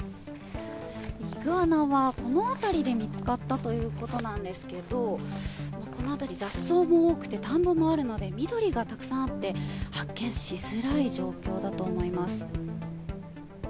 イグアナはこの辺りで見つかったということなんですけど、この辺り、雑草も多くて田んぼもあるので、緑がたくさんあって、発見しづらい状況だと思います。